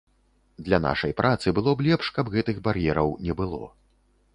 Для нашай працы было б лепш, каб гэтых бар'ераў не было.